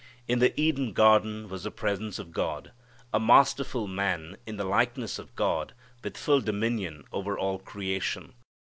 In the Eden garden was the presence of God, a masterful man in the likeness of God, with full dominion over all creation.